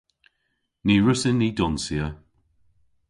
Ny wrussyn ni donsya.